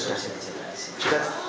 cetak di sini